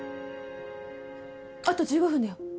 あと１５分だよ。